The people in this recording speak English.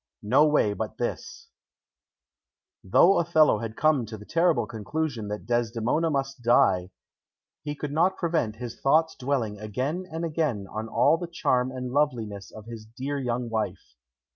No Way but This Though Othello had come to the terrible conclusion that Desdemona must die, he could not prevent his thoughts dwelling again and again on all the charm and loveliness of his dear young wife.